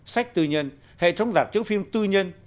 sách tư nhân hệ thống giảm chữ phim tư nhân